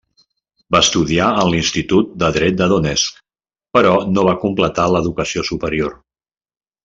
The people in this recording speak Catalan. Va estudiar en l'Institut de Dret de Donetsk, però no va completar l'educació superior.